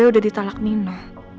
gue udah ditalak nino